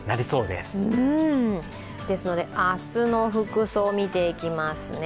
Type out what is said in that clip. ですので明日の服装見て行きますね。